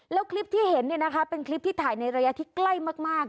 แล้วคลิปที่เห็นเนี้ยนะคะเป็นคลิปที่ถ่ายในระยะที่ใกล้มากมาก